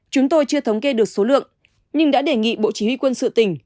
chúng tôi chưa thống kê được số lượng nhưng đã đề nghị bộ chỉ huy quân sự tỉnh